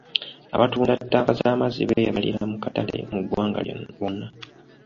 Abatunda ttanka z'amazzi beeyagalira mu katale mu ggwanga wonna.